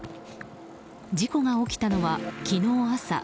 事故が起きたのは、昨日朝。